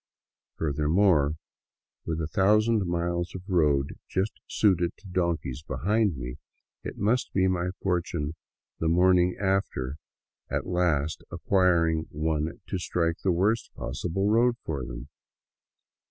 Furthermore, with a thousand miles of road just suited to donkeys behind me, it must be my fortune the morning after at last acquiring one to strike the worst possible road for them.